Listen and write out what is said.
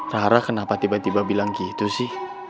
rara kenapa tiba tiba bilang gitu sih